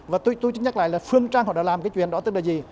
và tôi chứng nhắc lại là phương trang họ đã làm cái chuyện đó tức là gì